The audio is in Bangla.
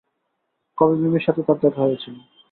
কবে মিমির সাথে তার দেখা হয়েছিল?